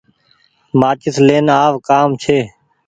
مآچيس لين آو ڪآم ڇي۔